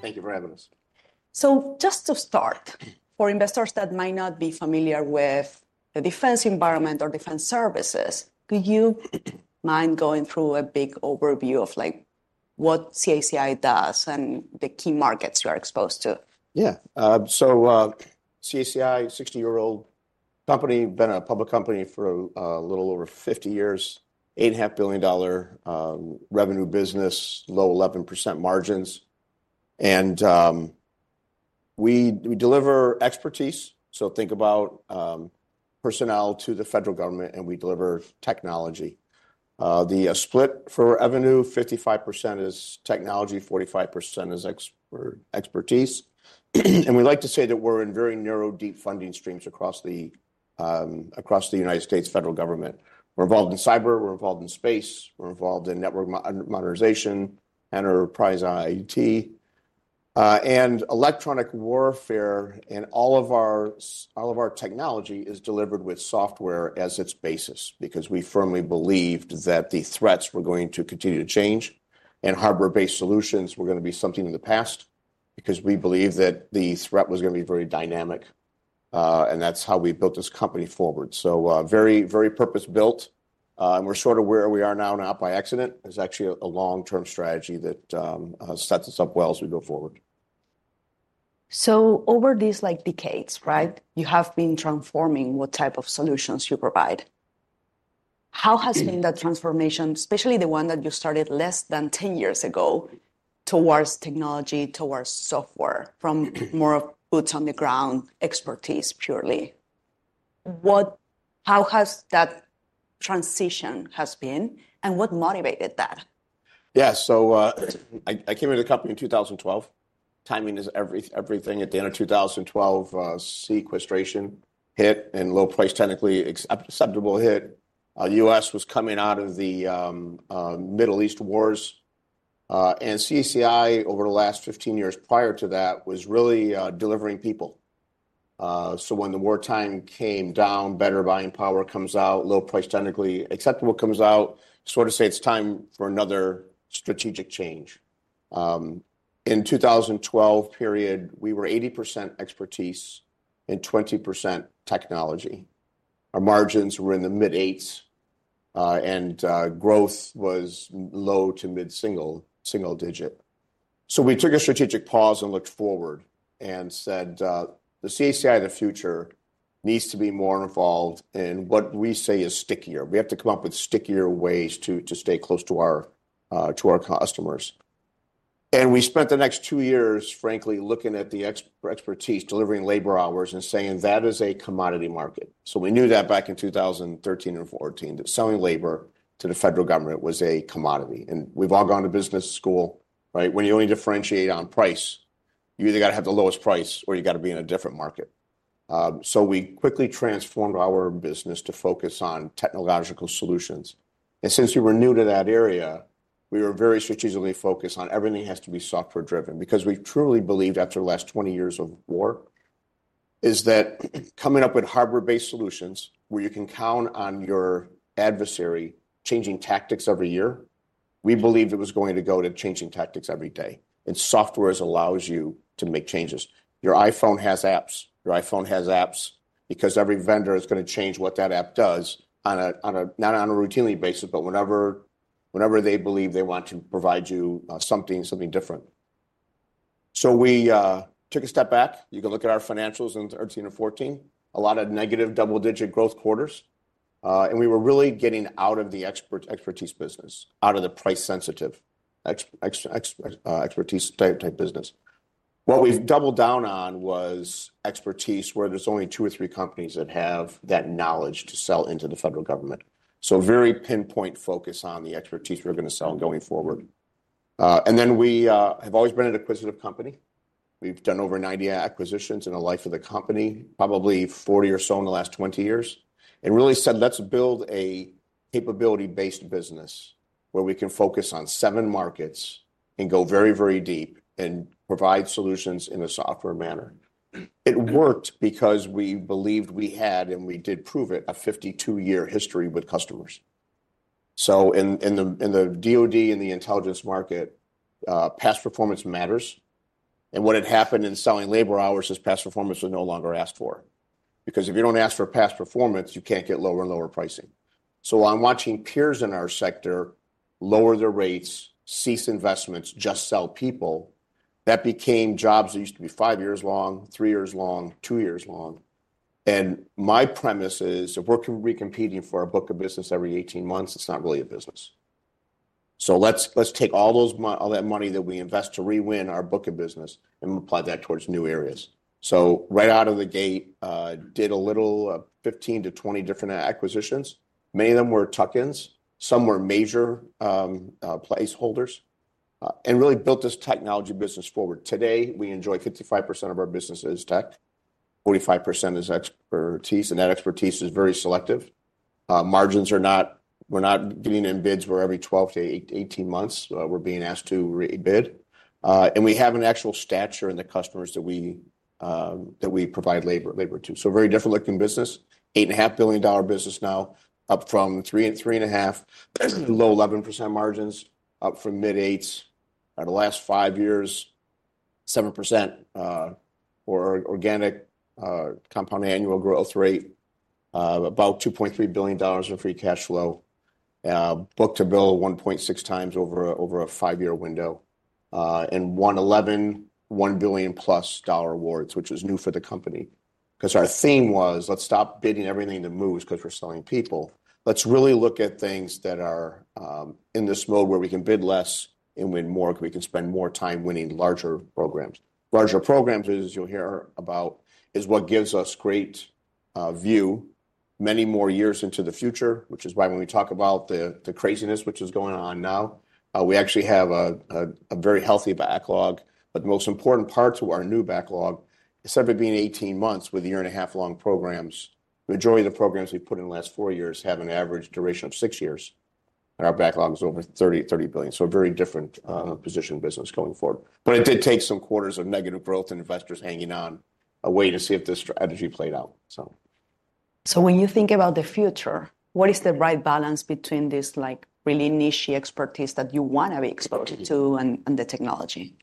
Thank you for having us. Just to start, for investors that might not be familiar with the defense environment or defense services, could you mind going through a big overview of what CACI does and the key markets you are exposed to? Yeah. CACI, a 60-year-old company, been a public company for a little over 50 years, $8.5 billion revenue business, low 11% margins. We deliver expertise. Think about personnel to the federal government, and we deliver technology. The split for revenue, 55% is technology, 45% is expertise. We like to say that we're in very narrow, deep funding streams across the United States federal government. We're involved in cyber, we're involved in space, we're involved in network modernization, enterprise IT, and electronic warfare. All of our technology is delivered with software as its basis because we firmly believed that the threats were going to continue to change. Hardware-based solutions were going to be something in the past because we believed that the threat was going to be very dynamic. That's how we built this company forward. Very purpose-built. We're sort of where we are now, not by accident. It's actually a long-term strategy that sets us up well as we go forward. Over these decades, right, you have been transforming what type of solutions you provide. How has been that transformation, especially the one that you started less than 10 years ago, towards technology, towards software, from more of boots on the ground expertise purely? How has that transition been and what motivated that? Yeah. I came into the company in 2012. Timing is everything. At the end of 2012, sequestration hit and Low Price Technically Acceptable hit. The U.S. was coming out of the Middle East wars. CACI, over the last 15 years prior to that, was really delivering people. When the wartime came down, Better Buying Power comes out, Low Price Technically Acceptable comes out, sort of say it's time for another strategic change. In the 2012 period, we were 80% expertise and 20% technology. Our margins were in the mid-eights, and growth was low to mid-single digit. We took a strategic pause and looked forward and said, "The CACI of the future needs to be more involved in what we say is stickier." We have to come up with stickier ways to stay close to our customers. We spent the next two years, frankly, looking at the expertise, delivering labor hours, and saying, "That is a commodity market." We knew that back in 2013 and 2014, that selling labor to the federal government was a commodity. We have all gone to business school, right? When you only differentiate on price, you either got to have the lowest price or you got to be in a different market. We quickly transformed our business to focus on technological solutions. Since we were new to that area, we were very strategically focused on everything has to be software-driven because we truly believed after the last 20 years of war is that coming up with hardware-based solutions where you can count on your adversary changing tactics every year, we believed it was going to go to changing tactics every day. Software allows you to make changes. Your iPhone has apps. Your iPhone has apps because every vendor is going to change what that app does, not on a routinely basis, but whenever they believe they want to provide you something different. We took a step back. You can look at our financials in 2013 and 2014, a lot of negative double-digit growth quarters. We were really getting out of the expertise business, out of the price-sensitive expertise type business. What we've doubled down on was expertise where there's only two or three companies that have that knowledge to sell into the federal government. Very pinpoint focus on the expertise we're going to sell going forward. We have always been an acquisitive company. We've done over 90 acquisitions in the life of the company, probably 40 or so in the last 20 years, and really said, "Let's build a capability-based business where we can focus on seven markets and go very, very deep and provide solutions in a software manner." It worked because we believed we had, and we did prove it, a 52-year history with customers. In the DOD and the intelligence market, past performance matters. What had happened in selling labor hours is past performance was no longer asked for because if you do not ask for past performance, you cannot get lower and lower pricing. I am watching peers in our sector lower their rates, cease investments, just sell people. That became jobs that used to be five years long, three years long, two years long. My premise is if we are competing for a book of business every 18 months, it is not really a business. Let us take all that money that we invest to re-win our book of business and apply that towards new areas. Right out of the gate, did a little 15-20 different acquisitions. Many of them were tuck-ins. Some were major placeholders and really built this technology business forward. Today, we enjoy 55% of our business as tech, 45% as expertise. That expertise is very selective. Margins are not—we're not getting in bids where every 12-18 months we're being asked to re-bid. We have an actual stature in the customers that we provide labor to. Very different-looking business, $8.5 billion business now, up from $3.5 billion, low 11% margins, up from mid-8%. The last five years, 7% organic compound annual growth rate, about $2.3 billion in free cash flow, book-to-bill 1.6x over a five-year window, and won 11 $1 billion-plus awards, which was new for the company because our theme was, "Let's stop bidding everything that moves because we're selling people. Let's really look at things that are in this mode where we can bid less and win more because we can spend more time winning larger programs. Larger programs, as you'll hear about, is what gives us great view many more years into the future, which is why when we talk about the craziness which is going on now, we actually have a very healthy backlog. The most important part to our new backlog, instead of it being 18 months with year-and-a-half-long programs, the majority of the programs we've put in the last four years have an average duration of six years. Our backlog is over $30 billion. A very different position business going forward. It did take some quarters of negative growth and investors hanging on a way to see if this strategy played out, so. When you think about the future, what is the right balance between this really niche expertise that you want to be exposed to and the technology?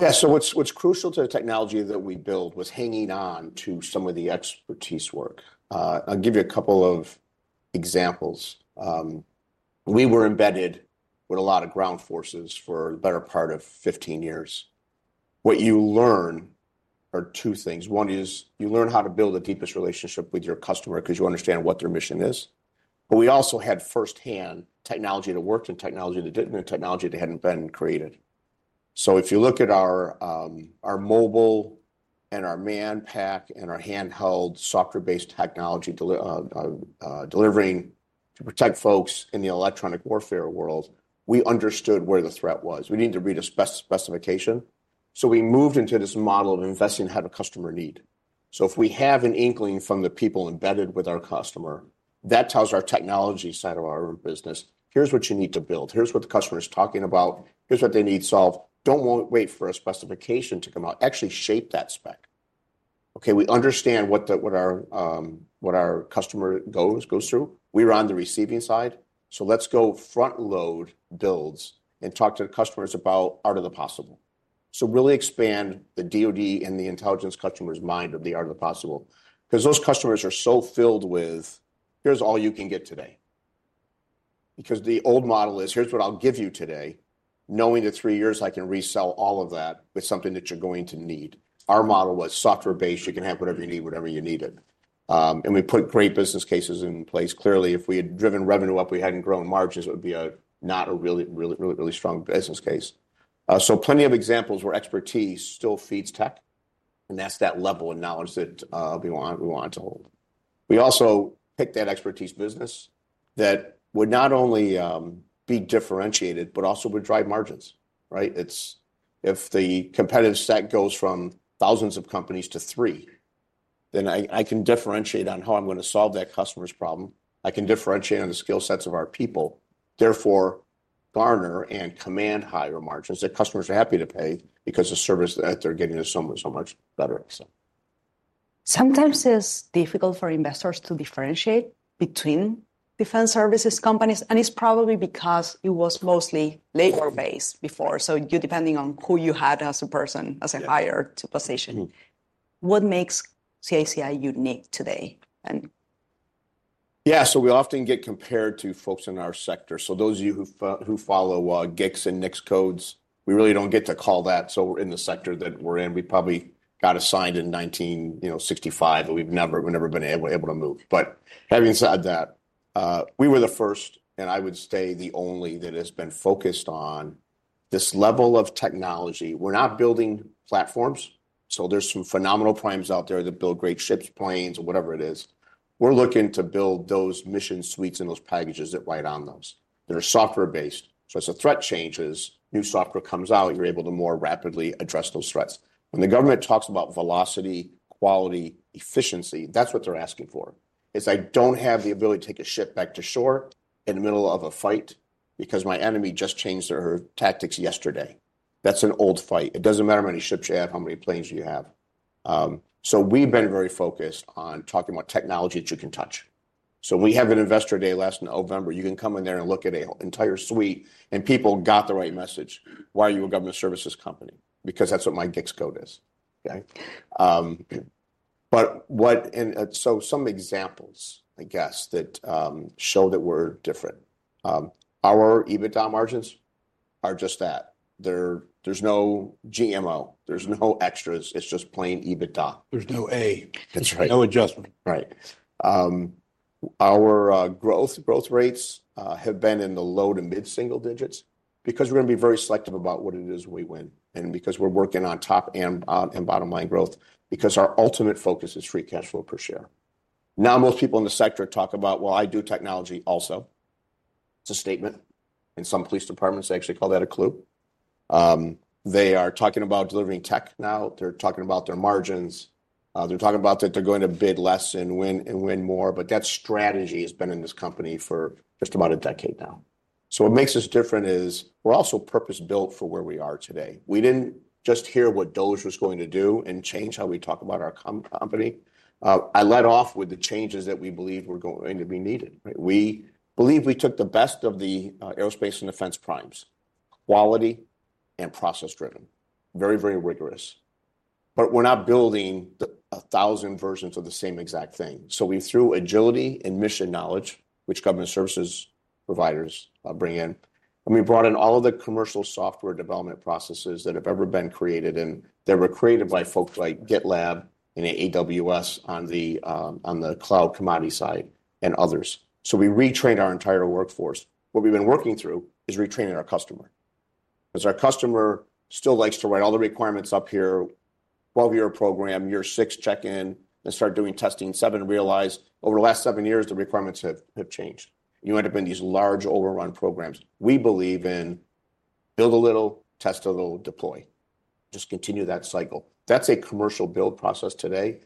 Yeah. What's crucial to the technology that we build was hanging on to some of the expertise work. I'll give you a couple of examples. We were embedded with a lot of ground forces for the better part of 15 years. What you learn are two things. One is you learn how to build the deepest relationship with your customer because you understand what their mission is. We also had firsthand technology that worked and technology that didn't and technology that hadn't been created. If you look at our mobile and our manpack and our handheld software-based technology delivering to protect folks in the electronic warfare world, we understood where the threat was. We needed to read a specification. We moved into this model of investing in ahead of customer need. If we have an inkling from the people embedded with our customer, that tells our technology side of our business, "Here's what you need to build. Here's what the customer is talking about. Here's what they need solved. Don't wait for a specification to come out. Actually shape that spec." Okay. We understand what our customer goes through. We're on the receiving side. Let's go front-load builds and talk to the customers about art of the possible. Really expand the DOD and the intelligence customer's mind of the art of the possible because those customers are so filled with, "Here's all you can get today." The old model is, "Here's what I'll give you today, knowing that three years I can resell all of that with something that you're going to need." Our model was software-based. You can have whatever you need, whatever you needed. We put great business cases in place. Clearly, if we had driven revenue up, we hadn't grown margins. It would be not a really, really, really strong business case. Plenty of examples where expertise still feeds tech. That level of knowledge is what we want to hold. We also picked that expertise business that would not only be differentiated, but also would drive margins, right? If the competitive set goes from thousands of companies to three, then I can differentiate on how I'm going to solve that customer's problem. I can differentiate on the skill sets of our people, therefore garner and command higher margins that customers are happy to pay because the service that they're getting is so much better. Sometimes it's difficult for investors to differentiate between defense services companies. It's probably because it was mostly labor-based before. Depending on who you had as a person, as a hire to position, what makes CACI unique today? Yeah. We often get compared to folks in our sector. Those of you who follow GICS and NAICS codes, we really do not get to call that. In the sector that we are in, we probably got assigned in 1965 that we have never been able to move. Having said that, we were the first, and I would say the only that has been focused on this level of technology. We are not building platforms. There are some phenomenal primes out there that build great ships, planes, or whatever it is. We are looking to build those mission suites and those packages that ride on those. They are software-based. As the threat changes, new software comes out, you are able to more rapidly address those threats. When the government talks about velocity, quality, efficiency, that is what they are asking for. I don't have the ability to take a ship back to shore in the middle of a fight because my enemy just changed their tactics yesterday. That's an old fight. It doesn't matter how many ships you have, how many planes you have. We have been very focused on talking about technology that you can touch. We had an investor day last November. You can come in there and look at an entire suite. People got the right message. Why are you a government services company? Because that's what my GICS code is. Okay. Some examples, I guess, that show that we're different. Our EBITDA margins are just that. There's no GMO. There's no extras. It's just plain EBITDA. There's no A. That's right. No adjustment. Right. Our growth rates have been in the low to mid-single digits because we're going to be very selective about what it is we win and because we're working on top and bottom line growth because our ultimate focus is free cash flow per share. Now, most people in the sector talk about, "Well, I do technology also." It's a statement. In some police departments, they actually call that a clue. They are talking about delivering tech now. They're talking about their margins. They're talking about that they're going to bid less and win more. That strategy has been in this company for just about a decade now. What makes us different is we're also purpose-built for where we are today. We didn't just hear what DOGE was going to do and change how we talk about our company. I led off with the changes that we believe were going to be needed. We believe we took the best of the aerospace and defense primes, quality and process-driven, very, very rigorous. We're not building 1,000 versions of the same exact thing. We threw agility and mission knowledge, which government services providers bring in. We brought in all of the commercial software development processes that have ever been created. They were created by folks like GitLab and AWS on the cloud commodity side and others. We retrained our entire workforce. What we've been working through is retraining our customer because our customer still likes to write all the requirements up here, 12-year program, year six check-in, and start doing testing, seven realize over the last seven years, the requirements have changed. You end up in these large overrun programs. We believe in build a little, test a little, deploy. Just continue that cycle. That is a commercial build process today.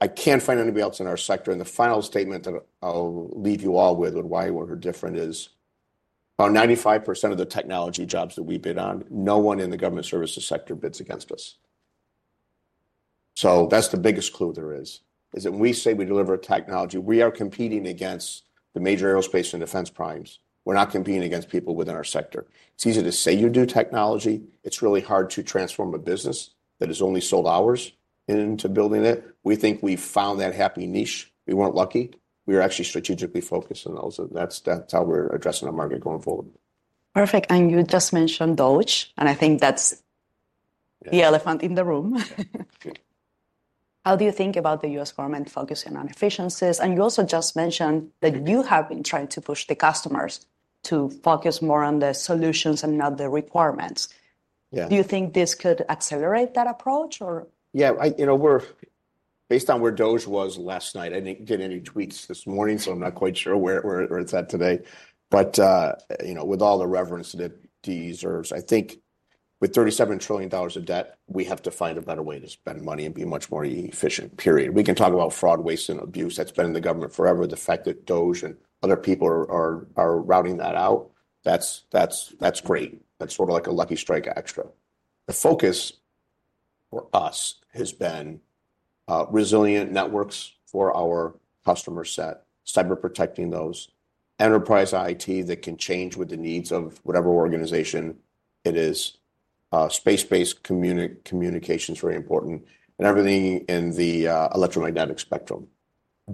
I cannot find anybody else in our sector. The final statement that I will leave you all with, why we are different, is about 95% of the technology jobs that we bid on, no one in the government services sector bids against us. That is the biggest clue there is, is when we say we deliver technology, we are competing against the major aerospace and defense primes. We are not competing against people within our sector. It is easy to say you do technology. It is really hard to transform a business that has only sold hours into building it. We think we found that happy niche. We were not lucky. We were actually strategically focused on those. That is how we are addressing the market going forward. Perfect. You just mentioned DOGE. I think that's the elephant in the room. How do you think about the U.S. government focusing on efficiencies? You also just mentioned that you have been trying to push the customers to focus more on the solutions and not the requirements. Do you think this could accelerate that approach, or? Yeah. Based on where DOGE was last night, I didn't get any tweets this morning, so I'm not quite sure where it's at today. With all the reverence that it deserves, I think with $37 trillion of debt, we have to find a better way to spend money and be much more efficient, period. We can talk about fraud, waste, and abuse. That's been in the government forever. The fact that DOGE and other people are routing that out, that's great. That's sort of like a lucky strike extra. The focus for us has been resilient networks for our customer set, cyber protecting those, enterprise IT that can change with the needs of whatever organization it is, space-based communications very important, and everything in the electromagnetic spectrum.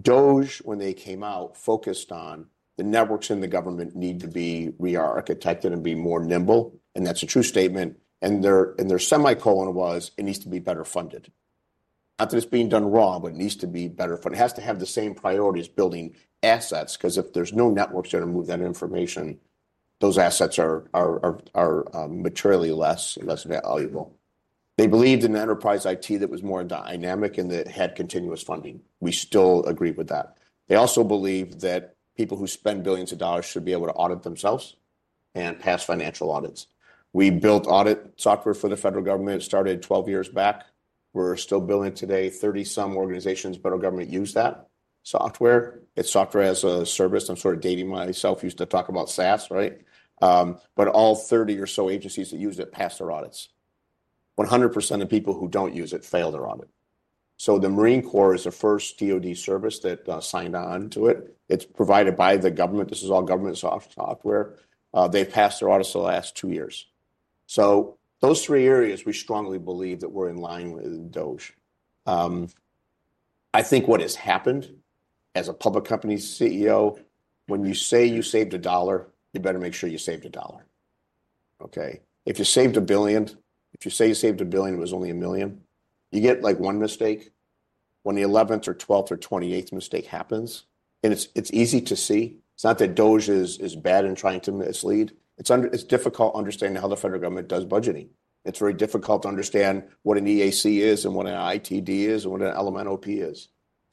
DOGE, when they came out, focused on the networks in the government need to be re-architected and be more nimble. That's a true statement. Their point was, it needs to be better funded. Not that it's being done wrong, but it needs to be better funded. It has to have the same priority as building assets because if there's no networks that are to move that information, those assets are materially less valuable. They believed in enterprise IT that was more dynamic and that had continuous funding. We still agree with that. They also believe that people who spend billions of dollars should be able to audit themselves and pass financial audits. We built audit software for the federal government. It started 12 years back. We're still building it today. Thirty-some organizations in the federal government use that software. It's software as a service. I'm sort of dating myself. I used to talk about SaaS, right? But all 30 or so agencies that use it passed their audits. 100% of people who don't use it fail their audit. The Marine Corps is the first DOD service that signed on to it. It's provided by the government. This is all government software. They passed their audits the last two years. Those three areas, we strongly believe that we're in line with DOGE. I think what has happened as a public company CEO, when you say you saved a dollar, you better make sure you saved a dollar. If you saved a billion, if you say you saved a billion, it was only a million, you get one mistake. When the 11th or 12th or 28th mistake happens, and it's easy to see, it's not that DOGE is bad in trying to mislead. It's difficult understanding how the federal government does budgeting. It's very difficult to understand what an EAC is and what an ITD is and what an LMNOP is.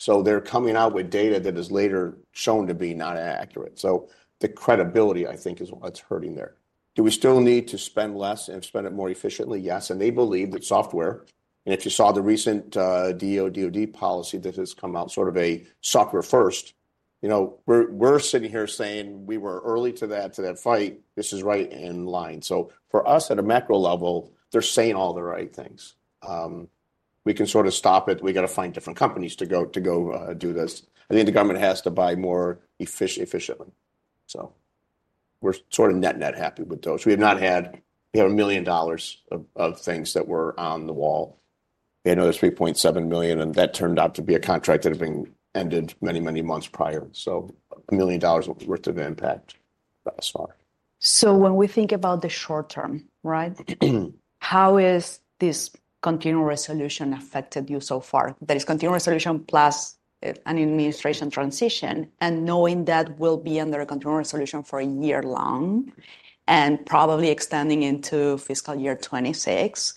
They're coming out with data that is later shown to be not accurate. The credibility, I think, is what's hurting there. Do we still need to spend less and spend it more efficiently? Yes. They believe that software, and if you saw the recent DOD policy that has come out, sort of a software first, we're sitting here saying we were early to that fight. This is right in line. For us at a macro level, they're saying all the right things. We can sort of stop it. We got to find different companies to go do this. I think the government has to buy more efficiently. We're sort of net, net happy with DOGE. We have not had, we have $1 million of things that were on the wall. We had another $3.7 million, and that turned out to be a contract that had been ended many, many months prior. So $1 million worth of impact thus far. When we think about the short term, right, how has this continuing resolution affected you so far? There's continuing resolution plus an administration transition and knowing that we'll be under a continuing resolution for a year long and probably extending into fiscal year 2026,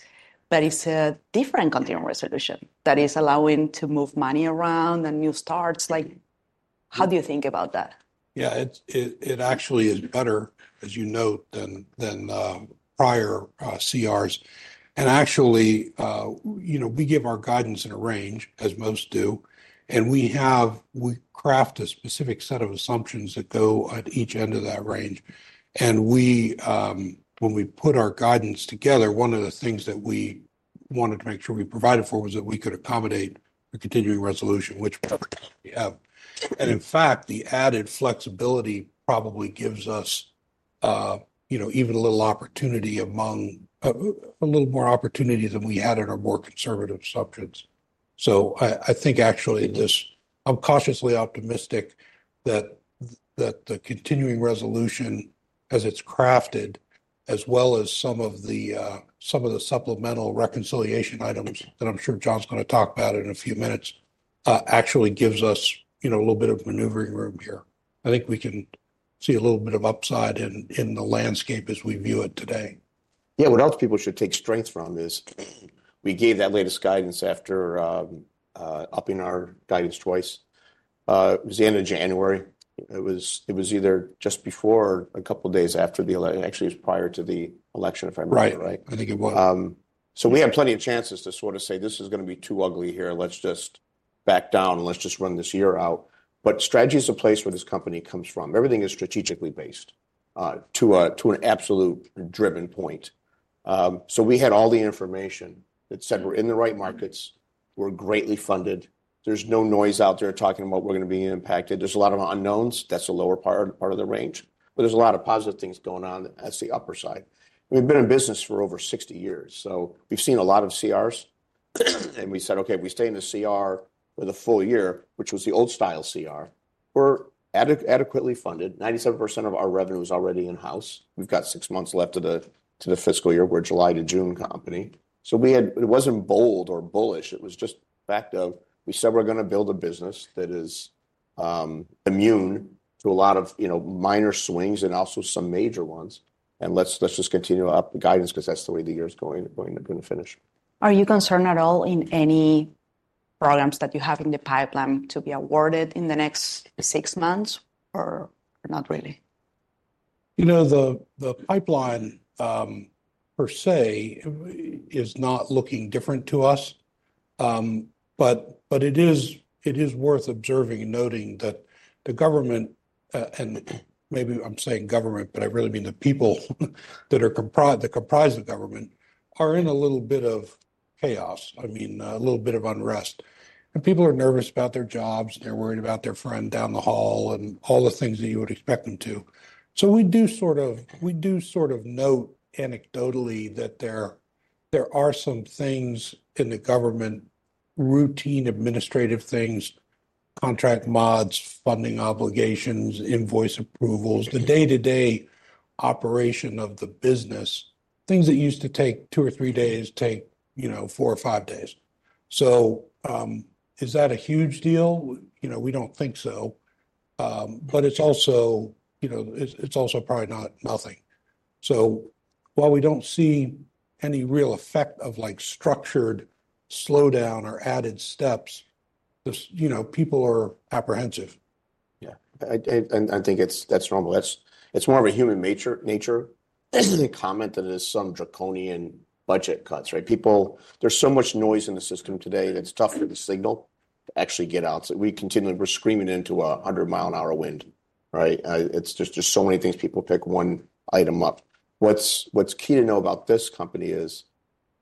but it's a different continuing resolution that is allowing to move money around and new starts. How do you think about that? Yeah. It actually is better, as you note, than prior CRs. Actually, we give our guidance in a range, as most do. We craft a specific set of assumptions that go at each end of that range. When we put our guidance together, one of the things that we wanted to make sure we provided for was that we could accommodate a continuing resolution, which we have. In fact, the added flexibility probably gives us even a little opportunity, a little more opportunity than we had in our more conservative subjects. I think actually this, I'm cautiously optimistic that the continuing resolution as it's crafted, as well as some of the supplemental reconciliation items that I'm sure John's going to talk about in a few minutes, actually gives us a little bit of maneuvering room here. I think we can see a little bit of upside in the landscape as we view it today. Yeah. What else people should take strength from is we gave that latest guidance after upping our guidance twice. It was the end of January. It was either just before or a couple of days after the election. Actually, it was prior to the election, if I remember right. Right. I think it was. We had plenty of chances to sort of say, "This is going to be too ugly here. Let's just back down and let's just run this year out." Strategy is a place where this company comes from. Everything is strategically based to an absolute driven point. We had all the information that said we're in the right markets. We're greatly funded. There's no noise out there talking about we're going to be impacted. There's a lot of unknowns. That's the lower part of the range. There's a lot of positive things going on. That's the upper side. We've been in business for over 60 years. We've seen a lot of CRs. We said, "Okay, if we stay in the CR for the full year," which was the old-style CR, "we're adequately funded." 97% of our revenue is already in-house. We've got six months left of the fiscal year. We're a July to June company. It wasn't bold or bullish. It was just the fact of we said we're going to build a business that is immune to a lot of minor swings and also some major ones. Let's just continue up the guidance because that's the way the year is going to finish. Are you concerned at all in any programs that you have in the pipeline to be awarded in the next six months, or not really? You know, the pipeline per se is not looking different to us. It is worth observing and noting that the government, and maybe I'm saying government, but I really mean the people that comprise the government, are in a little bit of chaos. I mean, a little bit of unrest. People are nervous about their jobs. They're worried about their friend down the hall and all the things that you would expect them to. We do sort of note anecdotally that there are some things in the government, routine administrative things, contract mods, funding obligations, invoice approvals, the day-to-day operation of the business, things that used to take two or three days take four or five days. Is that a huge deal? We don't think so. It is also probably not nothing. While we don't see any real effect of structured slowdown or added steps, people are apprehensive. Yeah. I think that's normal. It's more of a human nature to comment that it is some draconian budget cuts, right? There's so much noise in the system today that it's tough for the signal to actually get out. We're continually screaming into a 100-mile-an-hour wind, right? There's just so many things people pick one item up. What's key to know about this company is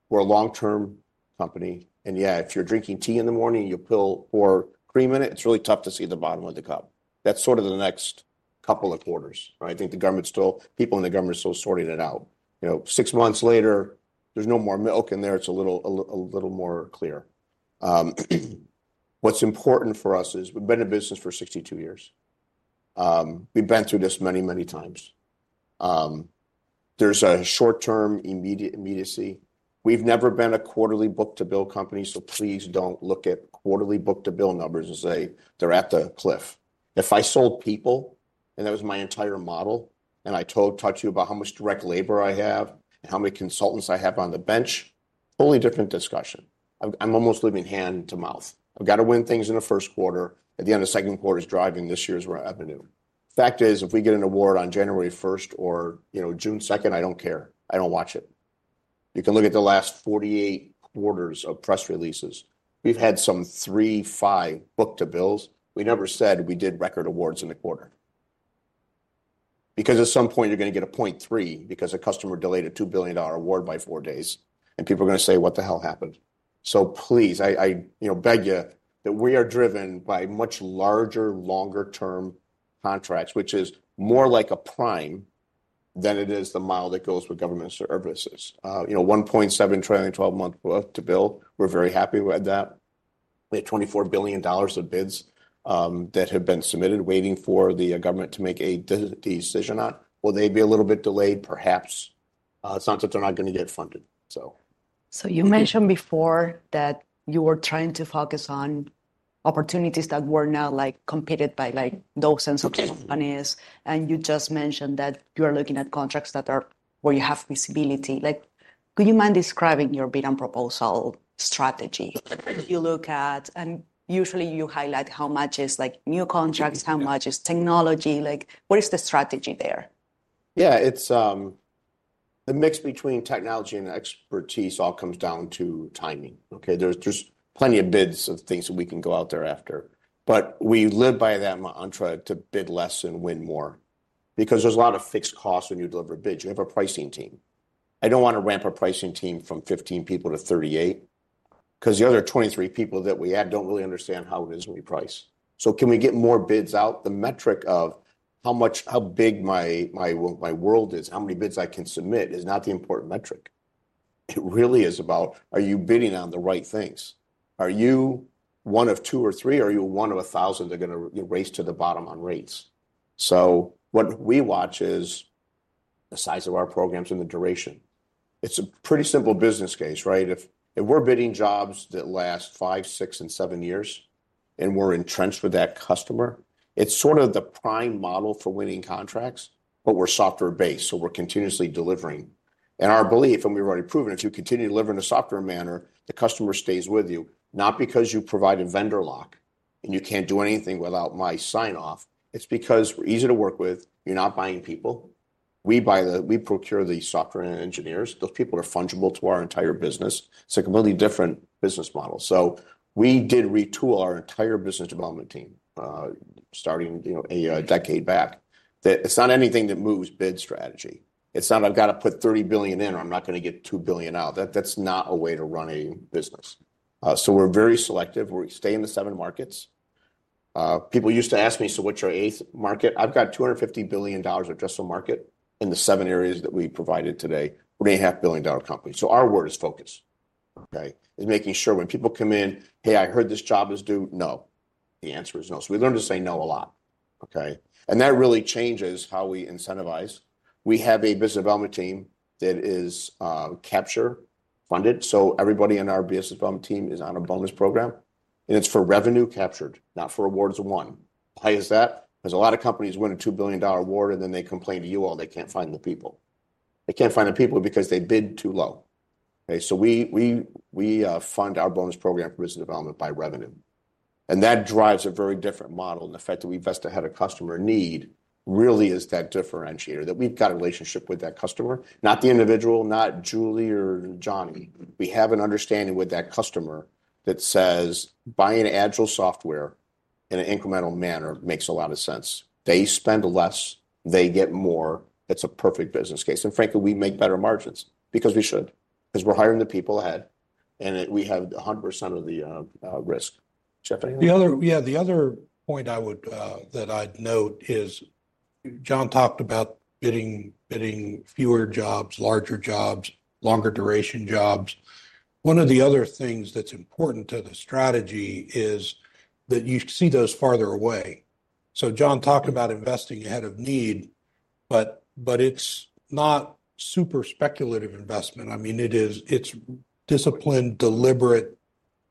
we're a long-term company. Yeah, if you're drinking tea in the morning, you'll pull four cream in it, it's really tough to see the bottom of the cup. That's sort of the next couple of quarters, right? I think the government's still, people in the government are still sorting it out. Six months later, there's no more milk in there. It's a little more clear. What's important for us is we've been in business for 62 years. We've been through this many, many times. There's a short-term immediacy. We've never been a quarterly book-to-bill company. Please don't look at quarterly book-to-bill numbers and say they're at the cliff. If I sold people, and that was my entire model, and I talked to you about how much direct labor I have and how many consultants I have on the bench, totally different discussion. I'm almost living hand to mouth. I've got to win things in the first quarter. At the end of the second quarter is driving this year's revenue. Fact is, if we get an award on January 1st or June 2nd, I don't care. I don't watch it. You can look at the last 48 quarters of press releases. We've had some three, five book-to-bills. We never said we did record awards in the quarter. Because at some point, you're going to get a 0.3 because a customer delayed a $2 billion award by four days. People are going to say, "What the hell happened?" Please, I beg you that we are driven by much larger, longer-term contracts, which is more like a prime than it is the mile that goes with government services. 1.7 trailing 12-month book-to-bill. We're very happy with that. We had $24 billion of bids that have been submitted waiting for the government to make a decision on. Will they be a little bit delayed? Perhaps. It's not that they're not going to get funded, so. You mentioned before that you were trying to focus on opportunities that were not competed by those sense of companies. You just mentioned that you are looking at contracts where you have visibility. Could you mind describing your bid and proposal strategy? You look at, and usually you highlight how much is new contracts, how much is technology. What is the strategy there? Yeah. It's a mix between technology and expertise. It all comes down to timing. Okay? There's plenty of bids of things that we can go out there after. We live by that mantra to bid less and win more. Because there's a lot of fixed costs when you deliver bids. You have a pricing team. I don't want to ramp a pricing team from 15 people to 38. Because the other 23 people that we had don't really understand how it is when we price. Can we get more bids out? The metric of how big my world is, how many bids I can submit, is not the important metric. It really is about, are you bidding on the right things? Are you one of two or three? Are you one of a thousand that are going to race to the bottom on rates? What we watch is the size of our programs and the duration. It's a pretty simple business case, right? If we're bidding jobs that last five, six, and seven years, and we're entrenched with that customer, it's sort of the prime model for winning contracts, but we're software-based. We're continuously delivering. Our belief, and we've already proven, if you continue delivering in a softer manner, the customer stays with you. Not because you provide a vendor lock and you can't do anything without my sign-off. It's because we're easy to work with. You're not buying people. We procure the software and engineers. Those people are fungible to our entire business. It's a completely different business model. We did retool our entire business development team starting a decade back. It's not anything that moves bid strategy. It's not, "I've got to put $30 billion in or I'm not going to get $2 billion out." That's not a way to run a business. We are very selective. We stay in the seven markets. People used to ask me, "So what's your eighth market?" I've got a $250 billion addressable market in the seven areas that we provided today. We are a $500 million company. Our word is focus. Okay? It is making sure when people come in, "Hey, I heard this job is due?" No. The answer is no. We learned to say no a lot. Okay? That really changes how we incentivize. We have a business development team that is capture funded. Everybody in our business development team is on a bonus program. It is for revenue captured, not for awards won. Why is that? Because a lot of companies win a $2 billion award, and then they complain to you all they can't find the people. They can't find the people because they bid too low. Okay? We fund our bonus program for business development by revenue. That drives a very different model. The fact that we invest ahead of customer need really is that differentiator that we've got a relationship with that customer. Not the individual, not Julie or Johnny. We have an understanding with that customer that says, "Buying agile software in an incremental manner makes a lot of sense. They spend less. They get more. It's a perfect business case." Frankly, we make better margins because we should. Because we're hiring the people ahead. We have 100% of the risk. Jeff, anything? Yeah. The other point that I'd note is John talked about bidding fewer jobs, larger jobs, longer duration jobs. One of the other things that's important to the strategy is that you see those farther away. John talked about investing ahead of need, but it's not super speculative investment. I mean, it's disciplined, deliberate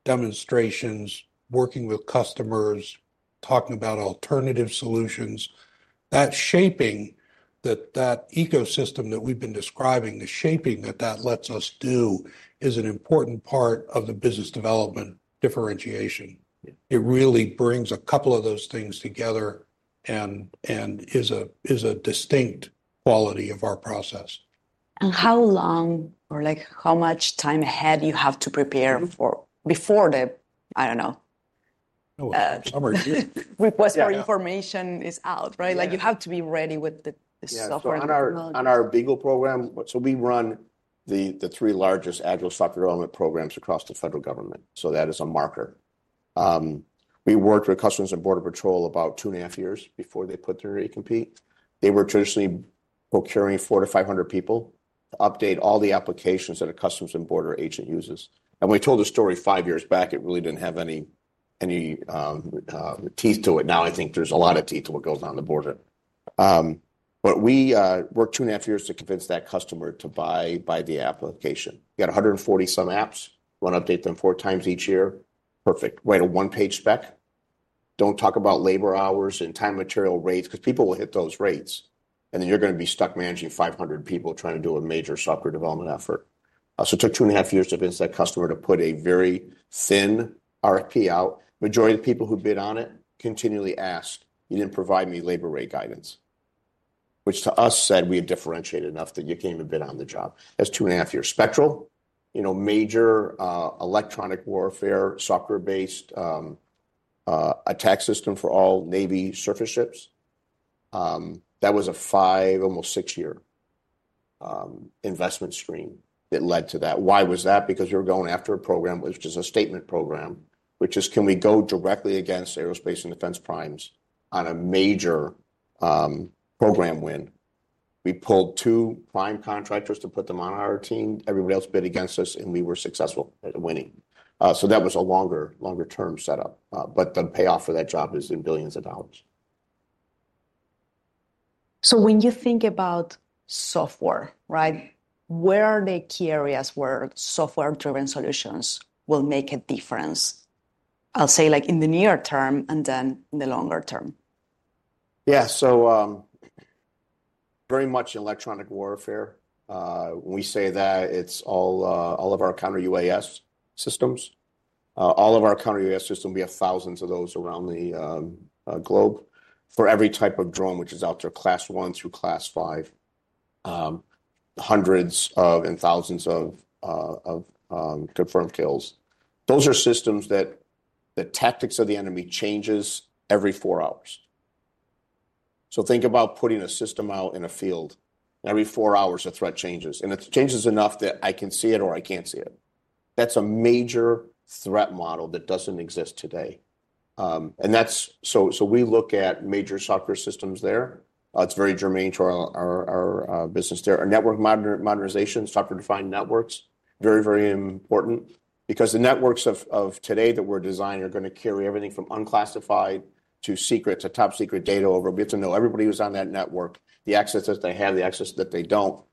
demonstrations, working with customers, talking about alternative solutions. That shaping, that ecosystem that we've been describing, the shaping that that lets us do is an important part of the business development differentiation. It really brings a couple of those things together and is a distinct quality of our process. How long or how much time ahead you have to prepare before the, I don't know. Request for information is out, right? You have to be ready with the software. Yeah. On our BEAGLE program, we run the three largest agile software development programs across the federal government. That is a marker. We worked with Customs and Border Patrol about two and a half years before they put their recompete. They were traditionally procuring 400-500 people to update all the applications that a Customs and Border Agent uses. We told the story five years back. It really did not have any teeth to it. Now I think there is a lot of teeth to what goes on the border. We worked two and a half years to convince that customer to buy the application. You got 140-some apps. You want to update them four times each year. Perfect. Write a one-page spec. Do not talk about labor hours and time and material rates because people will hit those rates. You are going to be stuck managing 500 people trying to do a major software development effort. It took two and a half years to convince that customer to put a very thin RFP out. The majority of the people who bid on it continually asked, "You did not provide me labor rate guidance." Which to us said we had differentiated enough that you cannot even bid on the job. That is two and a half years. Spectral, major electronic warfare software-based attack system for all Navy surface ships. That was a five, almost six-year investment screen that led to that. Why was that? Because we were going after a program, which is a statement program, which is, "Can we go directly against aerospace and defense primes on a major program win?" We pulled two prime contractors to put them on our team. Everybody else bid against us, and we were successful at winning. That was a longer-term setup. The payoff for that job is in billions of dollars. When you think about software, right, where are the key areas where software-driven solutions will make a difference? I'll say in the near term and then in the longer term. Yeah. Very much in electronic warfare. When we say that, it's all of our counter UAS systems. All of our counter UAS systems, we have thousands of those around the globe for every type of drone, which is out there, Class 1 through Class 5. Hundreds and thousands of confirmed kills. Those are systems that the tactics of the enemy changes every four hours. Think about putting a system out in a field. Every four hours, a threat changes. It changes enough that I can see it or I can't see it. That's a major threat model that doesn't exist today. We look at major software systems there. It's very germane to our business there. Our network modernization, software-defined networks, very, very important. The networks of today that we're designing are going to carry everything from unclassified to secret to top secret data over. We have to know everybody who's on that network, the access that they have, the access that they don't.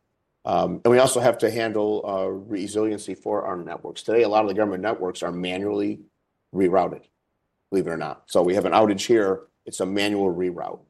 We also have to handle resiliency for our networks. Today, a lot of the government networks are manually rerouted, believe it or not. We have an outage here. It's a manual reroute.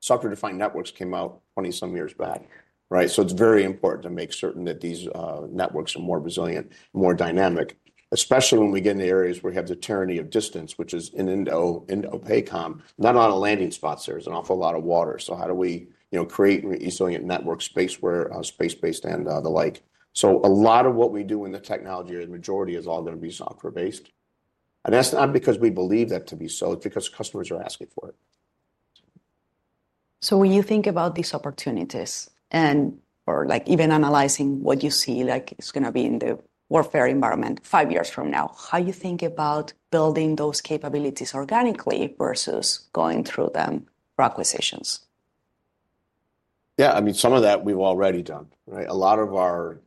Software-defined networks came out 20-some years back, right? It is very important to make certain that these networks are more resilient, more dynamic, especially when we get in the areas where we have the tyranny of distance, which is in INDOPACOM, not a lot of landing spots. There's an awful lot of water. How do we create resilient network space and the like? A lot of what we do in the technology area, the majority is all going to be software-based. That's not because we believe that to be so. It's because customers are asking for it. When you think about these opportunities and/or even analyzing what you see like it's going to be in the warfare environment five years from now, how do you think about building those capabilities organically versus going through them for acquisitions? Yeah. I mean, some of that we've already done, right? A lot of our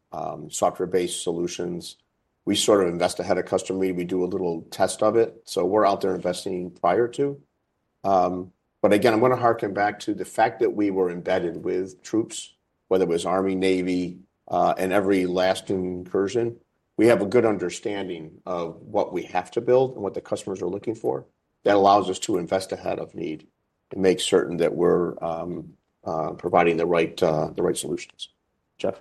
software-based solutions, we sort of invest ahead of customer. We do a little test of it. We're out there investing prior to. I'm going to harken back to the fact that we were embedded with troops, whether it was Army, Navy, and every last incursion. We have a good understanding of what we have to build and what the customers are looking for. That allows us to invest ahead of need and make certain that we're providing the right solutions. Jeff?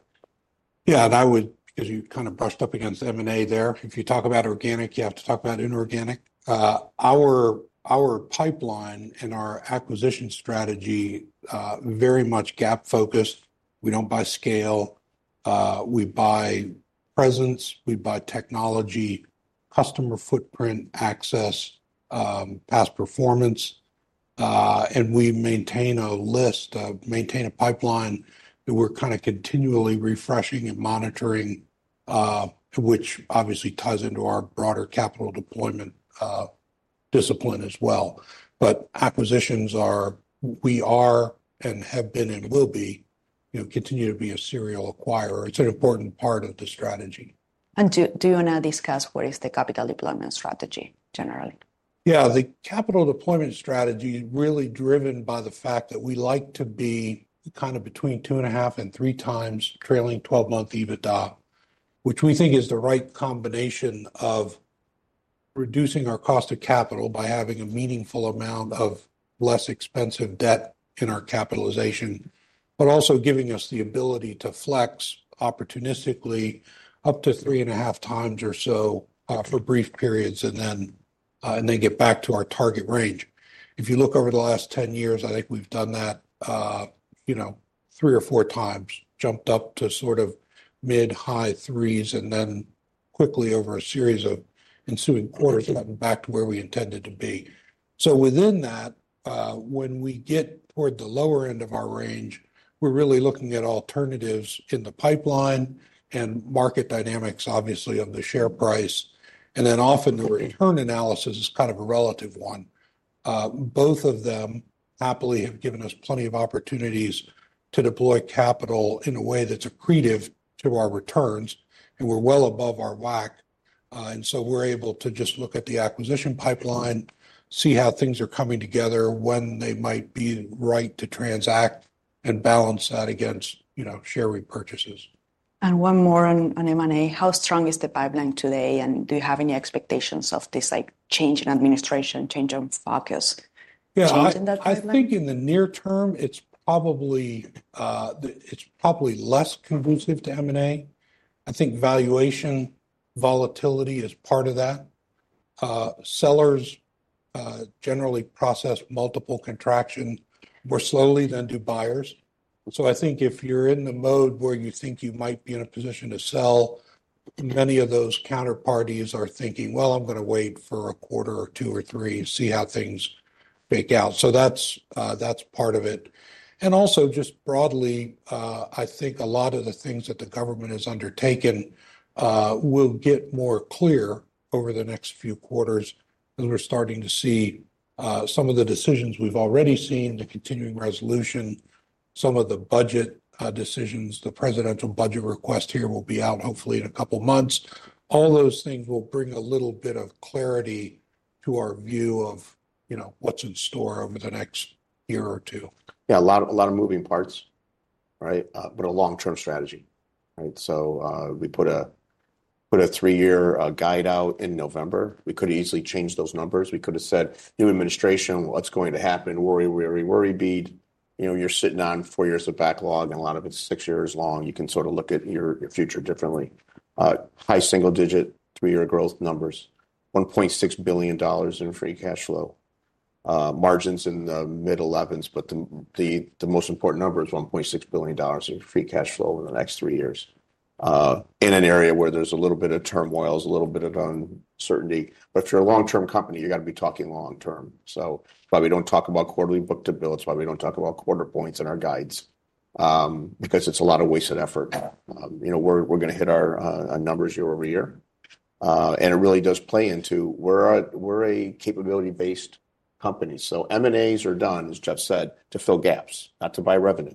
Yeah. I would, because you kind of brushed up against M&A there. If you talk about organic, you have to talk about inorganic. Our pipeline and our acquisition strategy very much gap-focused. We do not buy scale. We buy presence. We buy technology, customer footprint, access, past performance. We maintain a list, maintain a pipeline that we are kind of continually refreshing and monitoring, which obviously ties into our broader capital deployment discipline as well. Acquisitions are, we are and have been and will continue to be a serial acquirer. It is an important part of the strategy. Do you want to discuss what is the capital deployment strategy generally? Yeah. The capital deployment strategy is really driven by the fact that we like to be kind of between 2.5x and 3x trailing 12-month EBITDA, which we think is the right combination of reducing our cost of capital by having a meaningful amount of less expensive debt in our capitalization, but also giving us the ability to flex opportunistically up to 3.5x or so for brief periods and then get back to our target range. If you look over the last 10 years, I think we've done that three or four times, jumped up to sort of mid-high threes, and then quickly over a series of ensuing quarters gotten back to where we intended to be. Within that, when we get toward the lower end of our range, we're really looking at alternatives in the pipeline and market dynamics, obviously, on the share price. Then often the return analysis is kind of a relative one. Both of them happily have given us plenty of opportunities to deploy capital in a way that's accretive to our returns. We're well above our WACC. We're able to just look at the acquisition pipeline, see how things are coming together, when they might be right to transact, and balance that against share repurchases. One more on M&A. How strong is the pipeline today? Do you have any expectations of this change in administration, change of focus? Yeah. I think in the near term, it's probably less conducive to M&A. I think valuation volatility is part of that. Sellers generally process multiple contractions more slowly than do buyers. I think if you're in the mode where you think you might be in a position to sell, many of those counterparties are thinking, "Well, I'm going to wait for a quarter or two or three to see how things fake out." That's part of it. Also just broadly, I think a lot of the things that the government has undertaken will get more clear over the next few quarters as we're starting to see some of the decisions we've already seen, the continuing resolution, some of the budget decisions. The presidential budget request here will be out hopefully in a couple of months. All those things will bring a little bit of clarity to our view of what's in store over the next year or two. Yeah. A lot of moving parts, right? But a long-term strategy, right? We put a three-year guide out in November. We could have easily changed those numbers. We could have said, "New administration, what's going to happen? Worry, worry, worry, bead." You're sitting on four years of backlog, and a lot of it's six years long. You can sort of look at your future differently. High single-digit three-year growth numbers, $1.6 billion in free cash flow. Margins in the mid-11s, but the most important number is $1.6 billion in free cash flow over the next three years in an area where there's a little bit of turmoil, a little bit of uncertainty. If you're a long-term company, you got to be talking long-term. Probably don't talk about quarterly book-to-bill. It's probably don't talk about quarter points in our guides because it's a lot of wasted effort. We're going to hit our numbers year over year. It really does play into we're a capability-based company. M&As are done, as Jeff said, to fill gaps, not to buy revenue.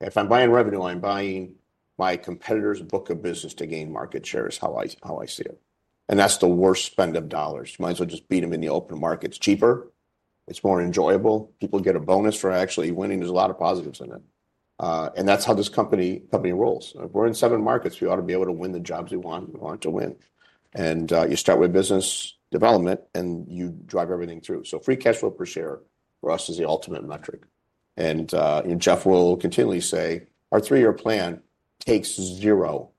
If I'm buying revenue, I'm buying my competitor's book of business to gain market share is how I see it. That's the worst spend of dollars. You might as well just beat them in the open market. It's cheaper. It's more enjoyable. People get a bonus for actually winning. There's a lot of positives in it. That's how this company rolls. We're in seven markets. We ought to be able to win the jobs we want. We want to win. You start with business development, and you drive everything through. Free cash flow per share for us is the ultimate metric. Jeff will continually say, "Our three-year plan takes zero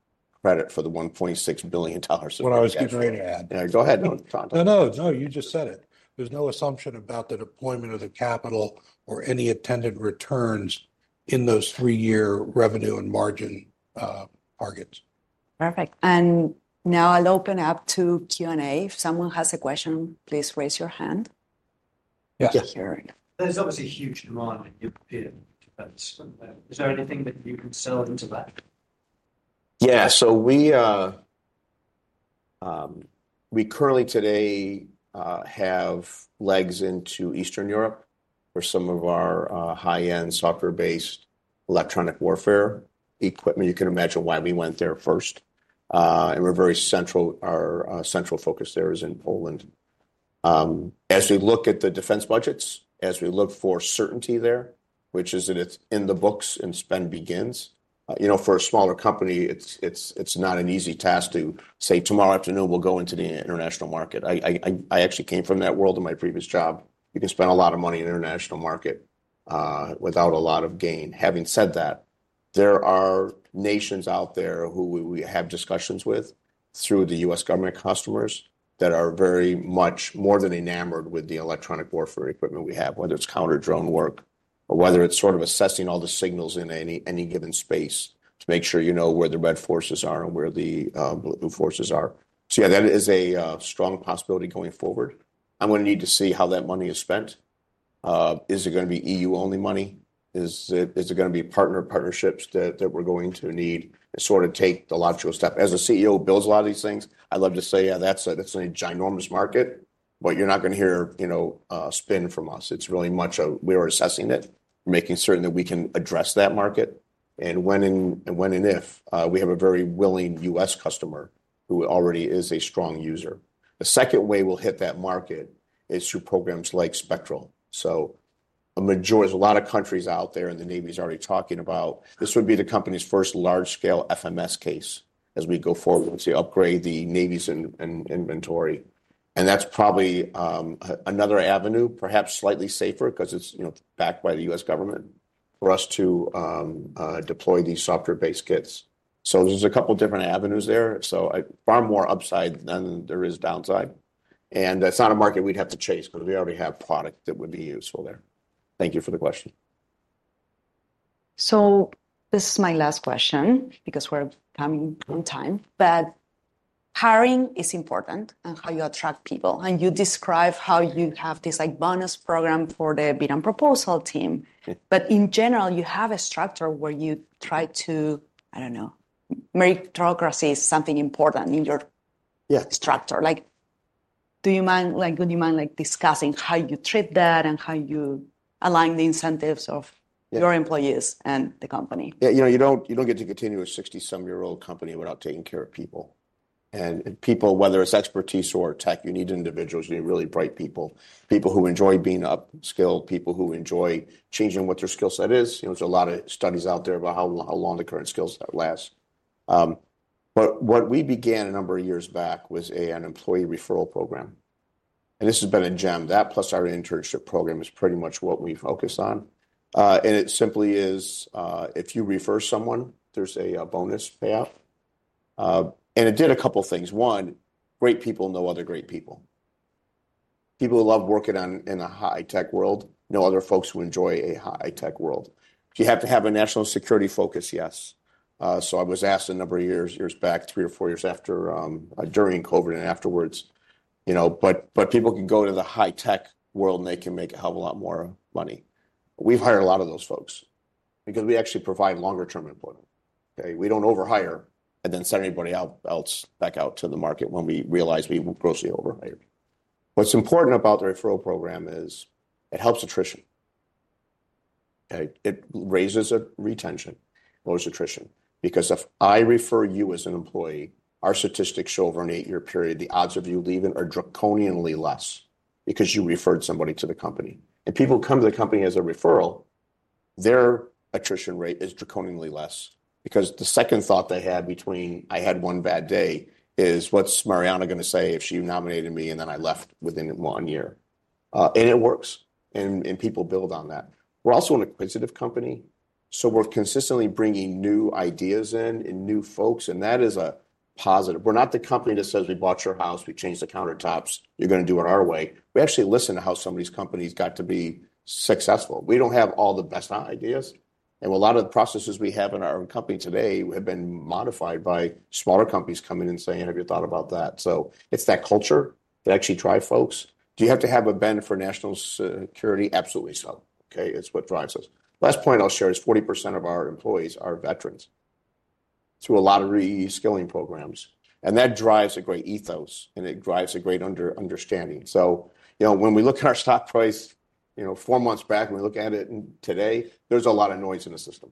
credit for the $1.6 billion in revenue. What I was getting ready to add. Go ahead. No, no, no. You just said it. There is no assumption about the deployment of the capital or any attended returns in those three-year revenue and margin targets. Perfect. Now I'll open up to Q&A. If someone has a question, please raise your hand. Yeah. Yeah, here. There's a huge demand in European defense. Is there anything that you can sell into that? Yeah. We currently today have legs into Eastern Europe for some of our high-end software-based electronic warfare equipment. You can imagine why we went there first. Our central focus there is in Poland. As we look at the defense budgets, as we look for certainty there, which is that it's in the books and spend begins. For a smaller company, it's not an easy task to say, "Tomorrow afternoon, we'll go into the international market." I actually came from that world in my previous job. You can spend a lot of money in the international market without a lot of gain. Having said that, there are nations out there who we have discussions with through the U.S. government customers that are very much more than enamored with the electronic warfare equipment we have, whether it's counter-drone work or whether it's sort of assessing all the signals in any given space to make sure you know where the red forces are and where the blue forces are. That is a strong possibility going forward. I'm going to need to see how that money is spent. Is it going to be EU-only money? Is it going to be partner partnerships that we're going to need to sort of take the logical step? As a CEO who builds a lot of these things, I love to say, "Yeah, that's a ginormous market, but you're not going to hear spin from us." It's really much of we are assessing it, making certain that we can address that market. And when and if we have a very willing U.S. customer who already is a strong user. The second way we'll hit that market is through programs like Spectral. A lot of countries out there and the Navy is already talking about this. This would be the company's first large-scale FMS case as we go forward with the upgrade of the Navy's inventory. That's probably another avenue, perhaps slightly safer because it's backed by the U.S. government for us to deploy these software-based kits. There are a couple of different avenues there. Far more upside than there is downside. It's not a market we'd have to chase because we already have product that would be useful there. Thank you for the question. This is my last question because we're coming on time. Hiring is important and how you attract people. You describe how you have this bonus program for the bid and proposal team. In general, you have a structure where you try to, I don't know, meritocracy is something important in your structure. Do you mind discussing how you treat that and how you align the incentives of your employees and the company? Yeah. You do not get to continue a 60-some-year-old company without taking care of people. And people, whether it is expertise or tech, you need individuals. You need really bright people, people who enjoy being upskilled, people who enjoy changing what their skill set is. There are a lot of studies out there about how long the current skill set lasts. What we began a number of years back was an employee referral program. This has been a gem. That plus our internship program is pretty much what we focus on. It simply is if you refer someone, there is a bonus payout. It did a couple of things. One, great people know other great people. People who love working in a high-tech world know other folks who enjoy a high-tech world. Do you have to have a national security focus? Yes. I was asked a number of years back, three or four years after during COVID and afterwards. People can go to the high-tech world and they can make a hell of a lot more money. We've hired a lot of those folks because we actually provide longer-term employment. We don't overhire and then send anybody else back out to the market when we realize we grossly overhired. What's important about the referral program is it helps attrition. It raises retention, lowers attrition. Because if I refer you as an employee, our statistics show over an eight-year period, the odds of you leaving are draconianly less because you referred somebody to the company. People come to the company as a referral, their attrition rate is draconianly less because the second thought they had between, "I had one bad day," is, "What's Mariana going to say if she nominated me and then I left within one year?" It works. People build on that. We're also an acquisitive company. We're consistently bringing new ideas in and new folks. That is a positive. We're not the company that says, "We bought your house. We changed the countertops. You're going to do it our way." We actually listen to how somebody's company's got to be successful. We don't have all the best ideas. A lot of the processes we have in our own company today have been modified by smaller companies coming in and saying, "Have you thought about that?" It's that culture that actually drives folks. Do you have to have a bend for national security? Absolutely so. Okay. It is what drives us. Last point I'll share is 40% of our employees are veterans through a lot of reskilling programs. That drives a great ethos, and it drives a great understanding. When we look at our stock price four months back, when we look at it today, there is a lot of noise in the system.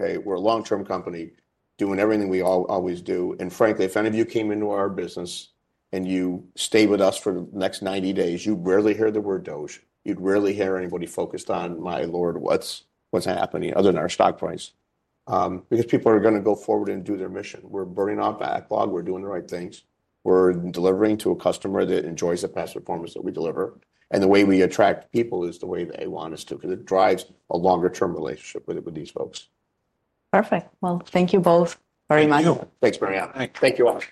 We are a long-term company doing everything we always do. Frankly, if any of you came into our business and you stayed with us for the next 90 days, you'd rarely hear the word DOGE. You'd rarely hear anybody focused on, "My Lord, what's happening other than our stock price?" People are going to go forward and do their mission. We are burning off the backlog. We are doing the right things. We're delivering to a customer that enjoys the best performance that we deliver. The way we attract people is the way they want us to because it drives a longer-term relationship with these folks. Perfect. Thank you both very much. Thank you. Thanks, Mariana. Thank you all.